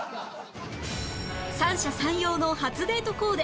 三者三様の初デートコーデ